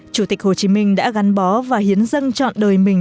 chủ tịch hồ chí minh đã gắn bó và hiến dân chọn đời mình